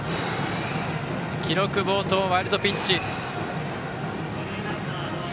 記録、暴投、ワイルドピッチ。